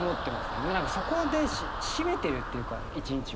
でも何かそこで締めてるっていうか１日を。